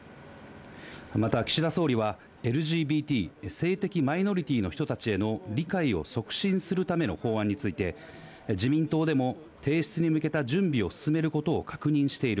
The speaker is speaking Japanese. また、岸田総理は、ＬＧＢＴ・性的マイノリティーの人たちへの理解を促進するための法案について、自民党でも提出に向けた準備を進めることを確認している。